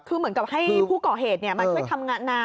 คือเหมือนกับให้ผู้ก่อเหตุมาช่วยทำงานนาน